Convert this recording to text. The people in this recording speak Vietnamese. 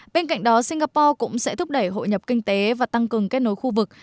bên cạnh đó singapore cũng sẽ thúc đẩy hội nhập kinh tế và tăng cường kết nối khu vực